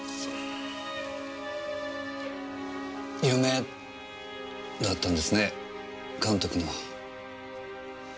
夢だったんですね監督の。